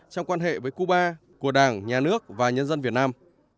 trong quan hệ với cuba của đảng nhà nước và nhân dân việt nam